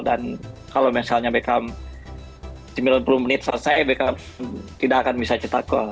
dan kalau misalnya bekam sembilan puluh menit selesai bekam tidak akan bisa cetak gol